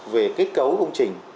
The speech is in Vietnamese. về kết cấu công trình